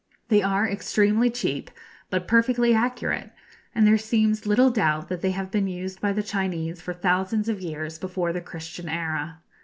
They are extremely cheap, but perfectly accurate, and there seems little doubt that they have been used by the Chinese for thousands of years before the Christian era.